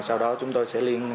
sau đó chúng tôi sẽ liên